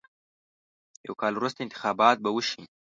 یو کال وروسته انتخابات به وشي.